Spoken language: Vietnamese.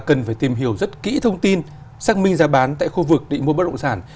cần phải tìm hiểu rất kỹ thông tin xác minh giá bán tại khu vực định mua bất động sản